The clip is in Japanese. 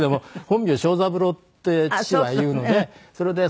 本名正三郎って父がいうので。